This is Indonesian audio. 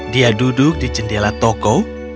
dia duduk di jendela toko